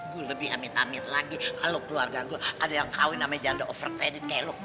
gue lebih amit amit lagi kalo keluarga gue ada yang kawin namanya janda over credit kayak lo